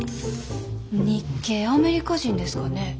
日系アメリカ人ですかね？